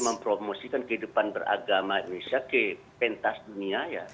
ketama itu mempromosikan kehidupan beragama indonesia ke pentas dunia ya